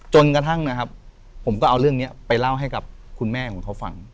จนกระทั่งนะครับผมก็เอาเรื่องนี้ไปเล่าให้กับคุณแม่ของเขาฟัง